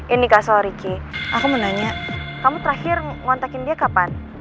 ini kak soal ricky aku mau nanya kamu terakhir ngontakin dia kapan